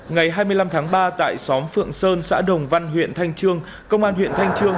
ngày hai mươi năm tháng ba tại xóm phượng sơn xã đồng văn huyện thanh trương công an huyện thanh trương